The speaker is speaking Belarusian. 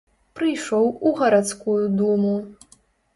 Прыйшоў у гарадскую думу.